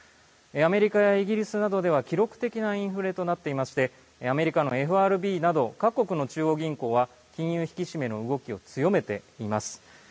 アメリカやイギリスなどでは記録的なインフレとなっていましてアメリカのＦＲＢなど各国の中央銀行は金融引き締めの動きを強めています。